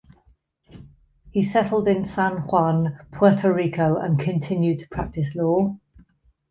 He settled in San Juan, Puerto Rico and continued to practice law.